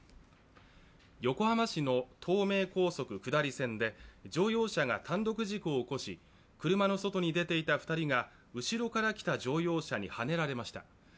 横浜市の東名高速下り線で乗用車が単独事故を起こし車の外に出ていた２人が後ろから来た乗用車にはねられました。